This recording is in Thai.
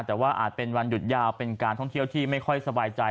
แต่ว่าอาจเป็นวันหยุดยาวเป็นการท่องเที่ยวที่ไม่ค่อยสบายใจ